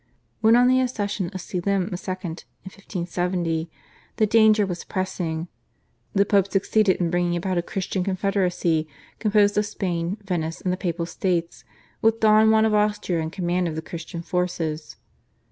When on the accession of Selim II. in 1570 the danger was pressing, the Pope succeeded in bringing about a Christian confederacy composed of Spain, Venice, and the Papal States with Don Juan of Austria in command of the Christian forces.